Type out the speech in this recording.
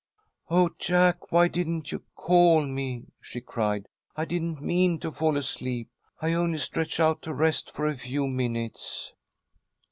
"Oh, Jack, why didn't you call me?" she cried. "I didn't mean to fall asleep. I only stretched out to rest for a few minutes."